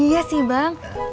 iya sih bang